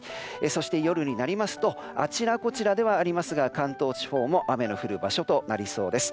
そして夜になりますとあちらこちらではありますが関東地方も雨の降る場所となりそうです。